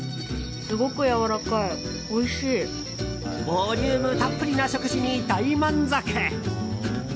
ボリュームたっぷりな食事に大満足。